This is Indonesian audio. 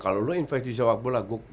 kalau lo invest di sepak bola